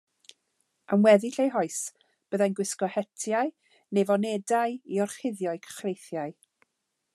Am weddill ei hoes, byddai'n gwisgo hetiau neu fonedau i orchuddio'i chreithiau.